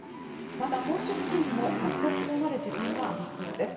また、本州付近でもザッと強まる時間がありそうです。